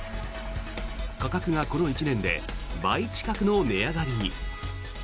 価格が、この１年で倍近くの値上がりに。